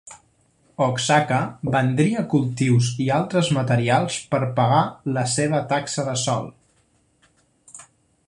Osaka vendria cultius i altres materials per pagar la seva taxa de sòl.